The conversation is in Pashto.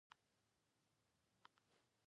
اوس مو نو انتظار یوازې ملنګ ته وېست.